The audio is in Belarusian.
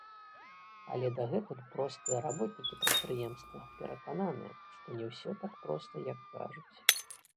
Але дагэтуль простыя работнікі прадпрыемства перакананыя, што не ўсё так проста, як кажуць.